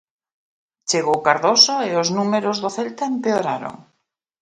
Chegou Cardoso e os números do Celta empeoraron.